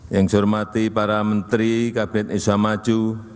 yang saya hormati para menteri kabinet isamaju